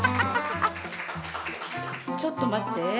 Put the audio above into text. ちょっと待って！